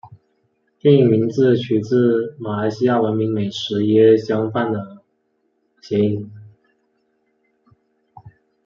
电影名字取自马来西亚闻名美食椰浆饭的谐音。